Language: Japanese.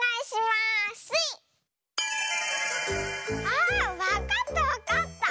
あわかったわかった！